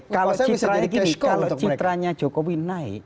kalau citranya jokowi naik